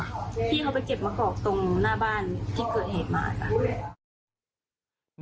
ที่คือเหตุมาก